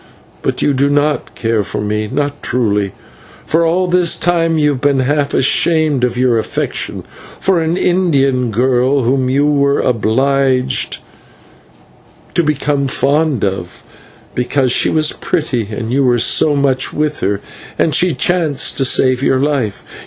But you do not care for me not truly; for all this time you have been half ashamed of your affection for an Indian girl whom you were obliged to become fond of, because she was pretty and you were so much with her, and she chanced to save your life.